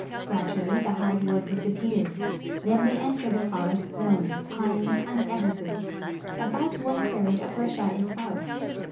Gradually the hard wood disappears ; then we enter the forest zone, j)ines and evergreens. About one third of Russia is forest.